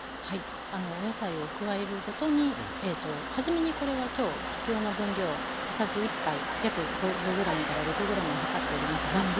はいお野菜を加えるごとに初めにこれは今日必要な分量小さじ１杯約５ｇから６ｇを量っておりますが。